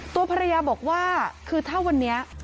ตัวภรรยาบอกว่าคือถ้าวันนี้